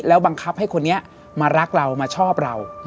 บังคับให้คนนี้มารักเรามาชอบเรา